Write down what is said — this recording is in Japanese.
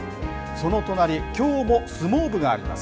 その隣、相撲部があります。